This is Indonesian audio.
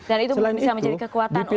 dan itu bisa menjadi kekuatan untuk nanti ya